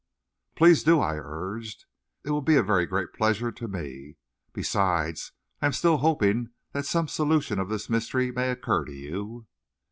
"Please do," I urged. "It will be a very great pleasure to me. Besides, I am still hoping that some solution of this mystery may occur to you."